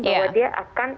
bahwa dia akan